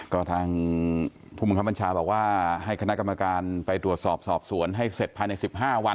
ก็ทางบัญชาบอกว่าให้คณะกำการไปตรวจสอบสอบส่วนให้เสร็จภายในสิบห้าวัน